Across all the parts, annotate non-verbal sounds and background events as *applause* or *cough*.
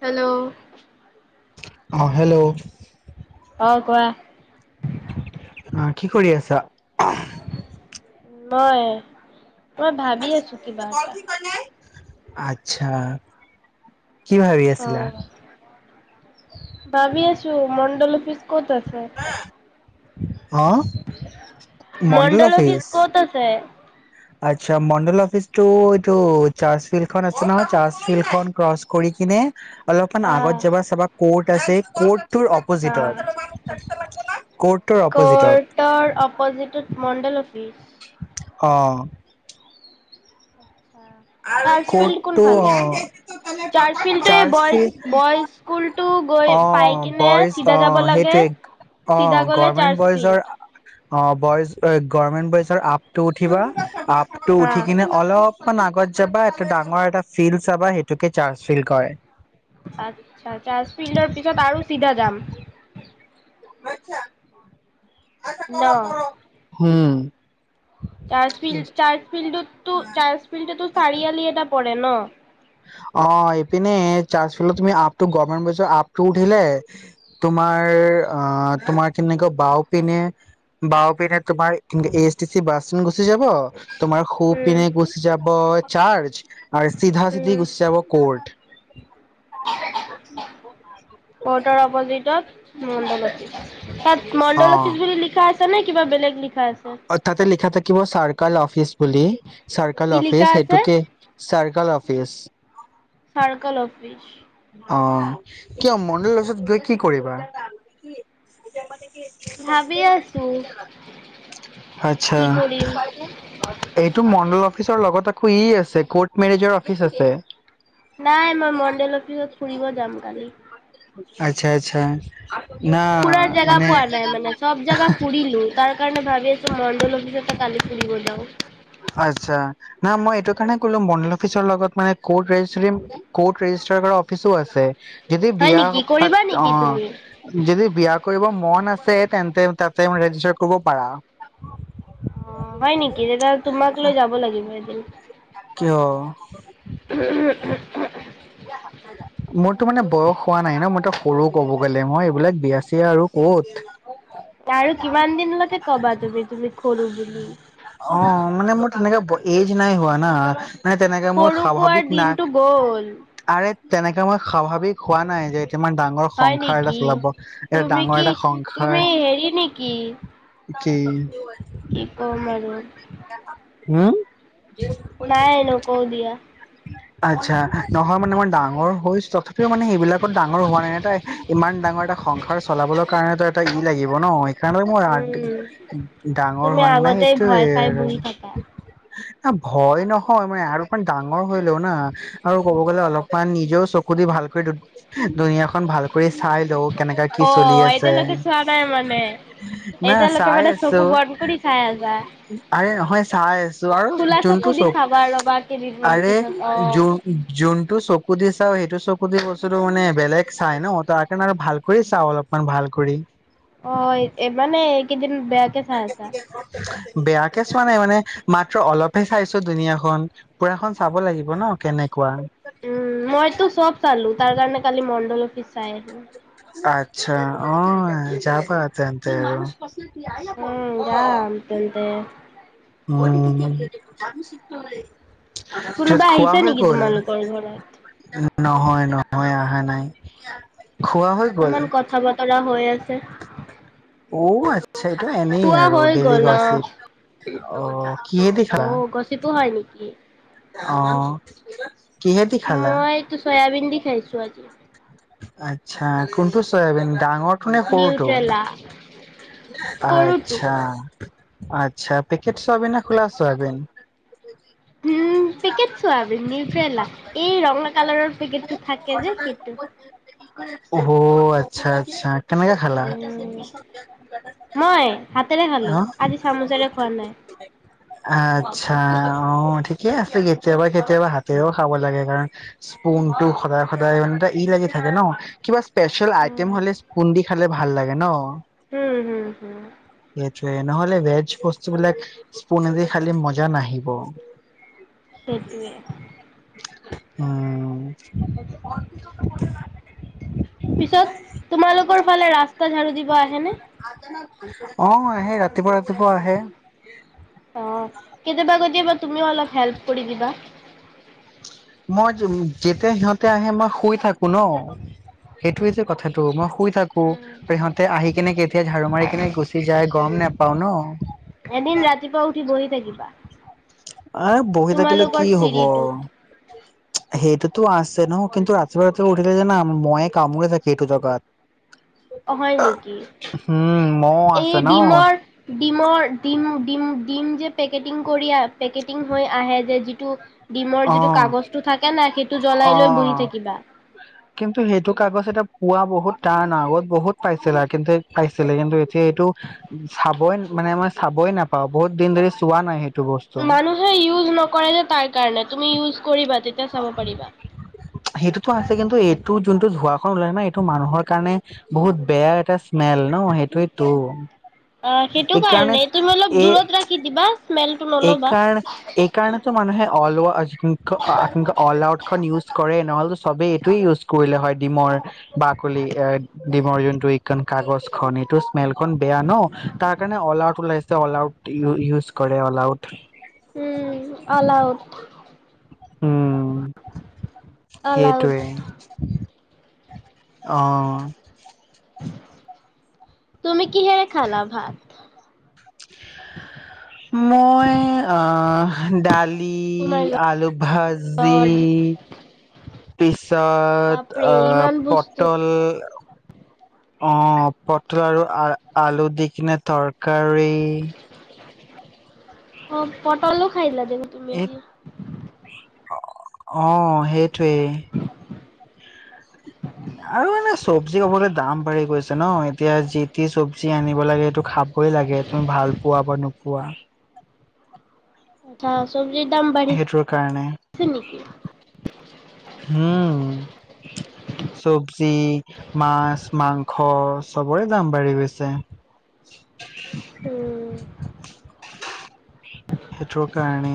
Hello? অ hello. অ কোৱা? আহ, কি কৰি আছা? মই, মই ভাবি আছো কিবা এটা। আচ্ছা। কি ভাবি আছিলা? অ'। ত মণ্ডল অফিচ ক'ত আ ছে? উম *inaudible* অ মণ্ডল অফিচ? আচ্ছা, মণ্ডল অফিচটো এইটো চাৰ্জ ফিল্ডখন আছে নহয়, চাৰ্জ ফিল্ড খন ক্ৰচ কৰি কিনে অলপমান আগত যাবা চাবা কট আছে কৰ্ট আ, কৰ্টটোৰ অপজিটত কৰ্টৰ অপজিটত মণ্ডল অফিচ। অ। চাৰ্চ ফিল্ড কৰ্টটো কোনফালে? চাৰ্চ অ ফিল্ডটো এই চাৰ্চ বইজ, ফিল্ড বইজ স্কুলটো গৈ অ, পাই কিনে বইজ চিধা অ যাব লাগে। সেইটোৱে, অ চিধা গ'লে চাৰ্চ গভৰ্মেণ্ট ফিল্ড। বইজৰ অ বইজ গভমেণ্ট বইজৰ আপটো উঠিবা, আপটো হা। উঠি কিনে অলপ খন আগত যাবা এটা ডাঙৰ এটা ফিল্ড চাবা সেইটোকে চাৰ্চ ফিল্ড কয়। আ চাৰ্জ ফিল্ডৰ পিছত আৰু চিধা যাম। মচছা *inaudible* ন। হুম। চাৰ্জ ফিল, চাৰ্জ ফিল্ডতো, চাৰ্জ ফিল্ডতো চাৰিআলি এটা প ন। অ ইপিনে চাৰ্জটো তুমি আপটো গমেন্ট আপটো উঠিলে তোমাৰ অ তোমাৰ কেনেকে বাও পিনে বাও পিনে তোমাৰ S T C bus station গুচি যাব তোমাৰ সো উম। পিনে গুচি যাব চাৰ্জ আৰুি *inaudible* ধা ত গুচি যাব কৰ্ট *inaudible* অ ত ৰ অপজিটত মণ্ডল অফিচ তাত মণ্ডল অ অফিচ বুলি লিখা আছে নে কিবা বেলেগ নে অ তাতে লিখা থাকিব চাৰ্কল অফিচ বুলি কি চাৰ্কল লিখা অফিচ আছে? সেইটোকে চাৰ্কল অফিচ চাৰ্কল অফিচ অ কিয় মন্দিৰৰ ওচৰত গৈ কি কৰিবা ভাবি আছো আচ্ছা কি কৰিম এইটো মণ্ডল অফিচৰ লগত আকৌ ই আছে কৰ্ট মেনেজৰ অফিচ আছে নাই মই মণ্ডেল অফিচত ফুৰিব যাম কালি আচ্ছা আচ্ছা না ফুৰাৰ জেগা মানে পোৱা নাই মানে চব জাগা ফুৰিলো তাৰ কাৰণে ভাবি আছো মন লিছে ত কালি ফুৰিব যাওঁ আচ্ছা না মই এইটো কাৰনে কলো মণ্ডল অফিচৰ লগত মানে কৰ্ট ৰেজিচ কৰ্ট ৰেজিষ্টাৰ কৰা অফিছো আছে যদি হয় বিয়া নেকি পাত কৰিবা অ নেকি তুমি? যদি বিয়া কৰিব মন আছে তেন্তে তাতে ৰেজিষ্টাৰ কৰিব পাৰা অ হয় নেকি তেতিয়া তোমাক লৈ যাব লাগিব বদ কিয়ো মোৰতো মানে বয়স হোৱা নাই ন মইতো সৰু ক'ব গ'লে মই এইবিলাক বিয়াচিয় আৰু কত আৰু কিমান দিনলৈকে কবা তুমি তুমি খো বুলি অ মানে মোৰ তেনেকে এজ নাই হোৱা না মানে তেনেকে মোৰ প়কুৱাৰ স্বাভাৱিক নাই দিনটো গ'ল আৰে তেনেকে মই স্বাভাৱিক হোৱা নাই যে কিমান ডাঙৰ হয় সংসাৰ এটা নেকি চলাব এটা তুমি ডাঙৰ কি এটা সংসাৰ তুমি হেৰি নেকি কি কি ক'ম আৰু *unintelligible* হম নাই নকৌ দিয়া আচ্ছা নহয় মানে মই ডাঙৰ হৈ তথাপিও মানে সেইবিলাকত ডাঙৰ হোৱা নাই এটা ইমান ডাঙৰ এটা সংসাৰ চলাবৰ কাৰণেতো এটা লাগিব ন সেইকাৰণ মোৰ উম ডাঙৰ হ তুমি নে নাই আগতে ভয় খাই বহি থাকা আৰু ভয় নহয় মান আৰু অকমান ডাঙৰ হৈলও না আৰু ক'ব গ'লে অলপমান নিজেও চকু দি ভালক দুুনীয়াখনন ভাল কৰি চাই লও কেনেকা কি অ চলি আছে এতিয়ালৈকে চোৱা নাই মানে না এতিয়ালৈকে চাই মানে আছো চকু বন্ধ কৰি চাই আ আৰে নহয় চাই আছো আৰু খোলা চকু যোনটো দি চক চাবা ৰবা কেইদিনমান আৰে পিছত অ য যোনটো চকু দি চাও সেইটো চকু গেই বস্তুটো মানে বেলেগ চাই ন তাৰ কাৰণে আৰু ভাল কৰি চাওঁ অলপমান ভাল কৰি অ এ মানে এই কেইদিন বেয়াকে চোৱা নাই মানে মাত্ৰ অলপহে চাইছো দুুনীয়া খন পুৰাখন চাব লাগিব ন কেনেকুৱা উম মইতো চব চালো তাৰ কাৰণে কালি ম ফিছাই আহ আচ্ছা অ য পা তেন্ত আৰু উম গা আট দে ম নি কোনোবা আহিছা নেকি তোমালোকৰ ঘৰত হৈ অহা নাই খোৱা হৈ গল ইমান কথা বতৰা হৈ আছে। আচ্ছা এইটো এনেই খোৱা আৰু হৈ ডেলি গ'ল গছিত অ'। অ কিহে দি খালা কি অ কিহেদি খালা মইতো চয়াবিন দি খাইছো আজি আচ্ছা কোনটো চয়াবিন ডাঙৰ ননে কৰোতো নিউট্ৰেলা সৰুটো। আচ্ছা আচ্ছা পেকেট চয়াবিন নে খোলা চয়াবিন উম পেকট চয়াবিন নিউট্ৰেলা এই ৰঙা কালাৰৰ পেকটটো থাকে যে সেইটো অহ আচ্ছা আচ্ছা তেনেকে খালা উম, মই হাতেৰে খালো অ আজি চামুচেৰে খোৱা নাই আচ্ছা অ ঠিকে আছে কেতিয়াবা কেতিয়াবা হাতেৰেও খাব লাগে কাৰণ স্পুন টো সদায় সদায় মান এটা ই লাগি থাকে ন কিবা স্পেচিয়েল আইটেম উম হলে দি খালে ভাল লাগে ন উম হম হম নহলে ভেজ বস্তুবিলাক স্পদি খালি মজা নাহিব। সেটোৱে উম পিছত তোমালোকৰ ফালে ৰাস্তা ঝাৰু দিব আহেনে অ আহে ৰাতিপুৱা ৰাতিপুৱা আহে। অ কেতিয়াবা কেতিয়াবা তুমিও অলপ হেল্প কৰি দিবা। মই যেতিয়া সিহঁতে আহে মই শুই থাকো ন সেইটোয়েই যে কথাটো মই শুই থাকো সিহঁতে আহি কিনে কেতিয়া ঝাৰু মাৰি কিনে গুচি যায় গম নোপাও ন। এদিন ৰাতিপুৱা উঠি বহি থাকিবা এ বহি থাকিলে তোমালোকৰ কি হব চিৰিটোত সেইটো। তো আছে নহ কিন্তু ৰাতি ব ৰা উঠিল যানা মহে কামুৰে থাকে এইটো জগাত হয় নেকি উম মহ এই আছে ন ডিমৰ ডিমৰ ডিম ডিম ডিম যে পেকেটিং কৰি আ পেকেটিং হৈ আহে যে যিটো ডিমৰ অ যিটো কাগজটো থাকে না সেইটো অ জ্বলাই লৈ বহি থাকিবা। পুৱো বহুত টান ন আগত বহুত পাইছিল আৰু কিন্তু পাইছিলে কিন্তু এতিয়া এইটো চাবই মানে মই চাবই নাপাওঁ বহুত দিন ধৰি চোৱা নাই সেইটো। বস্তু। মানুহে ইউজ নকৰে যে তাৰ কাৰণে তুমি ইউজ কৰিবা। তেতিয়া চাব পাৰিবা। টো আছে কিন্তু এইটো যোনটো ধোৱা খন ওলাই ন এইটো মানুহৰ কাৰণে বহুত বেয়া এটা মেল ন সেইটোৱেইতো অ সেইটো এইকাৰণে কাৰণে তুমি অলপ এই দূৰত ৰাখি দিবা স্মেলটো এই নল'বা। কাৰণ এই কাৰণেতো মানুহে অলৱ আজিংক অল আউট খন ইউজ কৰে নহ'লেো চবেই এইটোে ইউজ কৰিলে হয় ডিমৰ বাকলি এ ডিমৰ যোনটো এই কাগজ খ এইটোৰ স্মেল খন বেয়া ন তাৰ কাৰণে অল আউট ওলাইছে অল আউট ইউজ কৰে অল আউট উম অল আউট উম অল আউট। এইটোৱে অহ তুমি কি হেৰে খালা ভাত মই অ ডাল অ মাই আলুভাজি। গড পিছ তাত বাপৰে আ ইমান বস্তু। পটল অ পটল আৰু আ আলু দি কিনে তৰকাৰী ন *inaudible* অ প পটল খাই ল দেখো তুমি এই এতি অ সেইটোৱেই। আৰু এনে চবজি খাবলৈ দাম বাঢ়ি গৈছে ন, এতিয়া যি টি চবজি আনিব লাগে, সেইটো খাবই লাগে তুমি ভাল পোৱা বা নোপোৱা। তা চব বেছি দাম সেইটোৰ কাৰণে বাঢ়িছে, নেকি? উম, চবজি, মাছ মাংস চবৰে দাম বাঢ়ি গৈছে, উম, সেইটোৰ কাৰণে।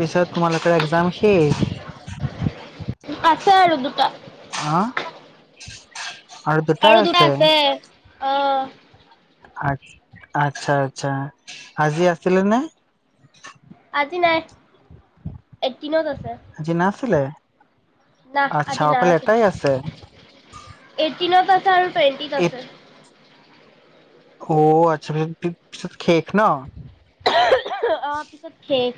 পিছত তোমালোকৰ একজাম শেষ। আছে আৰু দুটা। হা? আৰু দুটা আছে। অ। আ, আচ্ছা আচ্ছা, আজি আছিলে নে? আজি নাই এইটটিনত আছে। ছিলে না আচ্ছা, আজি না অকল এটাই আছে। টিনত আছা আৰু টোৱেণ্টিত আছে। অ আচ্ছা, পিত পিছত শেষ ন। অ পিছত শেষ।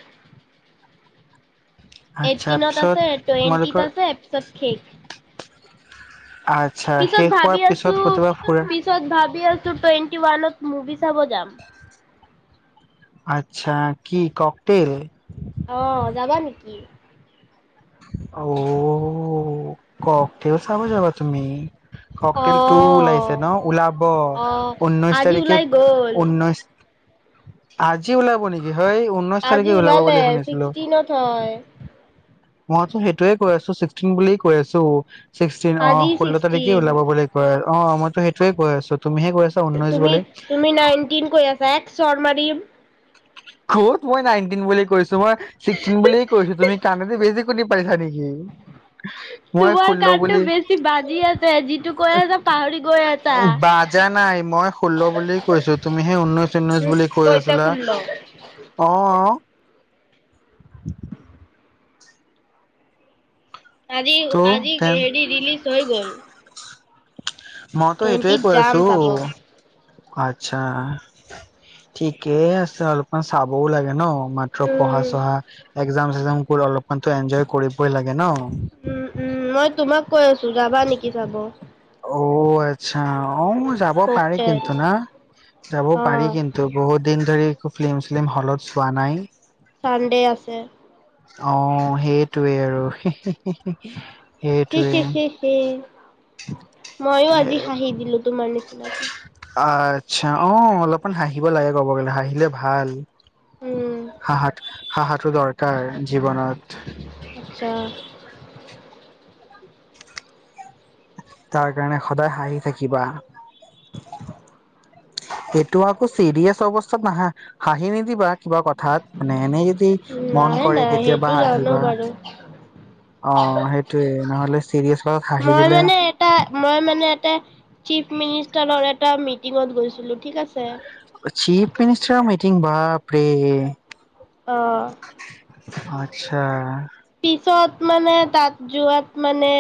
আচ্ছা এইটটিনত পিছত আছে টুৱেণ্টিত তোমালোকৰ আছে তাৰপিছত শেষ। আচ্ছা পিছত শেষ হোৱাৰ ভাবি পিছত আছো, কতোবা ফুৰা পিছত ভাবি আছো টুৱেণ্টি ওৱানত মুভি চাব যাম। আচ্ছা, কি ককটেল? আহ, যাবা নেকি? ঔ ককটেল চাব যাবা। তুমি? ককটেলটো অহ ওলাইছে ন, ওলাব অহ ঊনৈশ আজি তাৰিখে ওলাই গ'ল। ঊনৈশ আজি ওলাব নেকি? হয় ঊনৈশ আজি তাৰিখে ওলাব ওলালে, বুলি শুনিছিলো ছিক্সটিনত হয়। মইতো সেইটোয়ে কৈ আছো ছিক্সটিন বুলি কৈ আছো। ছিক্সটিন আজি অ'! ষোল্ল তাৰিখে ছিক্সটিন ওলাব বুলি কয় আৰু। অ'! মইতো সেইটোয়ে কৈ আছোঁ। তুমি, তুমি নাইন্টিন কৈ আছা চৰ মাৰিম। ক'ত মই নাইন্টিন বুলি কৈছোঁ। মই চিক্সটিন বুলিয়েই কৈছোঁ। তুমি কাণেদি বেছি শুনি নেকি? মই তোমাৰ ষোল্ল কাণটো বুলি, বেছি বাজি আছে যিটো কৈ আছা পাহৰি গৈ আছা। বাজা নাই। মই ষোল্ল বুলিয়ে কৈছোঁ। তুমিহে ঊনৈশ, ঊনৈশ বুলি কৈ কৈছে আছিলা। ষোল্ল অঁ! আজি, ত' আজি তেন হেৰি ৰিলিজ হৈ গ'ল। মইতো সেইটোয়ে টুৱেণ্টিত কৈ যাম আছোঁ। চাব। আচ্ছা! ঠিকেই আছে অলপমান চাবও লাগে ন'। মাত্ৰ পঢ়া উম, চহা এক একজাম, চেকজাম বোৰ আলপ মানেটো এনজয় কৰিবই লাগে ন'। উম, উম, মই তোমাক কৈ আছোঁ যাবা নেকি চাব? অ'! আচ্ছা! অ'! যাব পাৰি ককটেল কিন্তু না যাব পাৰি অ', কিন্তু। বহুত দিন ধৰি একো ফিল্ম চিল্ম হলত চোৱা নাই। চান্দে আছে। অ'! সেই সেইটোৱেই আৰু হি, সেইটোৱে হি, এ হি, হি চিনাকি আচ্ছা! অ'! অলপমান হাঁহিব লাগে ক'ব গ'লে, হাঁহিলে ভাল। উম, হাঁহাটো, হাঁহাটো দৰকাৰ জীৱনত। আচ্ছা তাৰ কাৰণে সদায় হাঁহি থাকিবা। এইটো আকৌ চিৰিয়াছ অৱস্থাত নাহা, হাঁহি নিদিবা কিবা কথা কথাত মানে, এনেই যদি মন নাই, কৰে নাই কেতিয়াবা সেইটো জানো হাঁহিবা। বাৰু। অ', ! সেইটোৱে নহ'লে চিৰিয়েছত হাঁহি মই দিলে। মানে এটা মই মানে এটা চিফ মিনিষ্টাৰৰ এটা মিটিঙত গৈছিলোঁ ঠিক আছে। চিফ মিনিষ্টাৰৰ মিটিং বাপৰে! অ'। আচ্ছা! পিছত মানে, তাত যোৱাত মানে,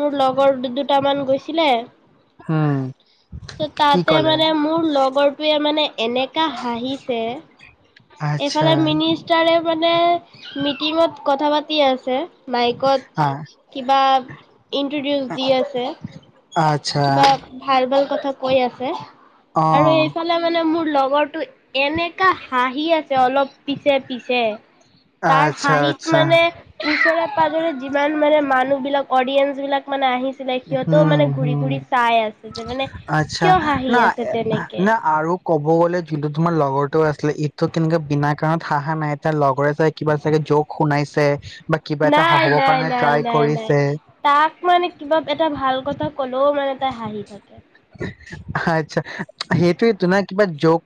মোৰ লগৰ দু, দুটামান গৈছিলে। উম! ত' কি তাতে ক'লে মানে, মোৰ লগৰটোৱে মানে, এনেকা হাঁহিছে। আচ্ছা এইফালে মিনিষ্টাৰ মানে মিটিঙত কথা পাতি আছে। মাইকত, আ কিবা ইনট্ৰডিউচ দি আছে। আচ্ছা কিবা ভাল ভাল কথা কৈ আছে। অ আৰু এইফালে মানে মোৰ লগৰটো এনেকা হাঁহি আ অলপ পিছে পিছে তাৰ আচ্ছা হাঁহিত আচ্ছা মানে পাজৰে যিমান মানে মানুহ বিলাক অডিয়েন্ঞ্চ বিলাক মানে আহিছ হুম হুম, যে মানে আচ্ছা, কিয় হাঁহি না আছে তেনেকে না আৰু কব গলে যোনটো তোমাৰ লগৰতো আছিলে ইটো তেনেকুৱা বিনা কাৰণত হাহা নাই তাৰ লগৰে চাগ কিবা চাগে জক শুনাইছে বা কিবা এটা নাই, হহবৰ নাই, কাৰণে নাই, ট্ৰাই নাই, নাই কৰিছে তাক মানে কিবা এটা ভাল কথা কলো সিমান এটা হাঁহি থাকে। আচ্ছা, সেইটোৱেটো ন কিবা যক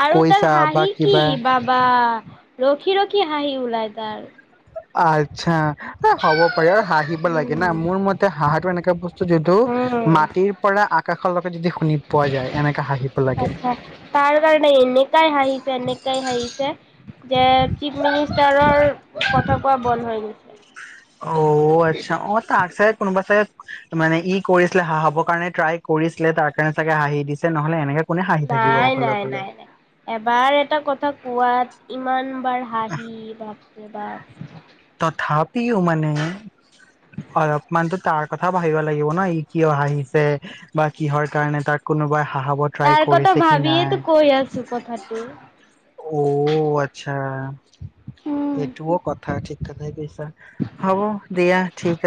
আৰু তাৰ হাঁহি কি, বাবা ৰখি ৰখি হাঁহি ওলাই তাৰ। আচ্ছা। এ হ'ব পাৰে আৰু হাঁহিব লাগে না উম মোৰ মতে হাঁহাটো এনেকুৱা বস্তু যদিটো, উম মাটিৰ পৰা আকাশৰ যদি শুনি পোৱা যায় এনেকা হাঁহিব লাগে। আচ্ছা, তাৰ কাৰণে এনেকাই হাঁহিছে এনেকাই হাঁহিছে যে চিফ মিনিষ্টাৰৰ কথা কোৱা বন্ধ হৈ অ' আচ্ছা গৈছে। অ' তাক চাগে কোনোবা চাগে মানে ই কৰিছিলে হহাঁবৰ বৰ কাৰণে ট্ৰাই কৰিছিলে তাৰ কাৰণে চাগে হাঁহি দিছে নহলে এনেকে কোনে হাঁহি থাকিব নাই অকলে নাই অকলে নাই নাই, এবাৰ এটা কথা কোৱাত ইমান বাৰ হাঁহি বা বা তথাপিও মানে, অলপমানতো তাৰ কথাও ভাবিব লাগিব ন ই কিয় হাহিঁছে বা কিহৰ কাৰণে তাৰ কোনোবা তাৰ কথা ভাবিয়ে তো কৈ আছো কথাটো অ আচ্ছা। উম এইটো কথা ঠী কথাই কৈছো হ'ব দিয়া ঠিক আছে